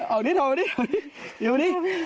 เอานี่อยู่นี่